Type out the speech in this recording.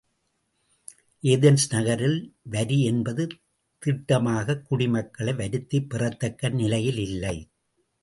Athens நகரில் வரி என்பது திட்டமாகக் குடிமக்களை வருத்திப் பெறத்தக்க நிலையில் இல்லை.